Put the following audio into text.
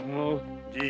じい。